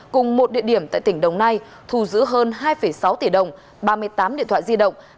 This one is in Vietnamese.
cùng một địa điểm tại tỉnh đồng nai thù giữ hơn hai sáu tỷ đồng ba mươi tám điện thoại di động